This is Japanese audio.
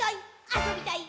あそびたい！」